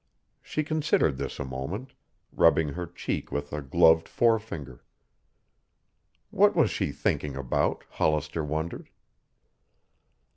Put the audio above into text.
She considered this a moment, rubbing her cheek with a gloved forefinger. What was she thinking about, Hollister wondered?